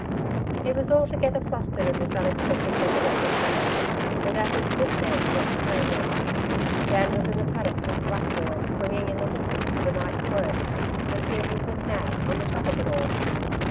He was altogether flustered at this unexpected visit of McNab's, and at his wits' end what to say next. Dan was in the paddock with the black boy, bringing in the horses for the night's work, and here was McNab on the top of it all.